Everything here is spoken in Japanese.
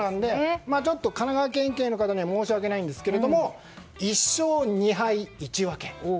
ちょっと神奈川県警の方には申し訳ないんですけど１勝２敗１分け。